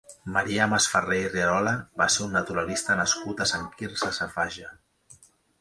Marià Masferrer i Rierola va ser un naturalista nascut a Sant Quirze Safaja.